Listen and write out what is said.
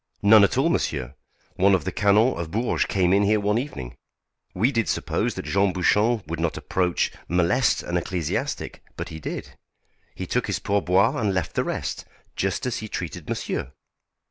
"None at all, monsieur. One of the Canons of Bourges came in here one evening. We did suppose that Jean Bouchon would not approach, molest an ecclesiastic, but he did. He took his pourboire and left the rest, just as he treated monsieur.